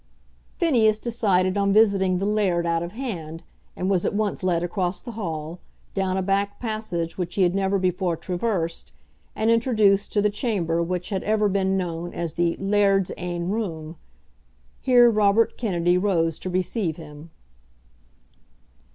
Phineas decided on visiting the laird out of hand, and was at once led across the hall, down a back passage which he had never before traversed, and introduced to the chamber which had ever been known as the "laird's ain room." Here Robert Kennedy rose to receive him.